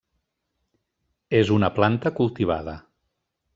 És una planta cultivada.